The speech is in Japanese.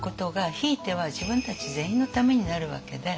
ひいては自分たち全員のためになるわけで。